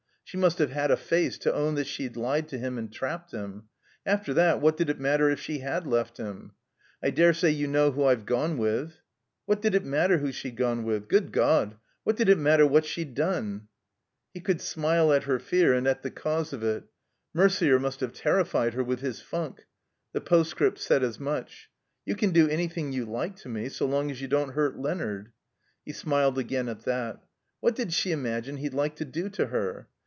She must have had a face, to own that she'd lied to him and trapped him! After that, what did it matter if she had left him? "I dare say you know who I've gone with." What did it matter who she'd gone with? Good God! What did it matter what she'd done? He could smile at her fear and at the cause of it. Mercier must have terrified her with his fimk. The postscript said as much. "You can do an3rthing you like to me, so long as you don't hurt Leonard." He smiled again at that. What did she imagine he'd like to do to her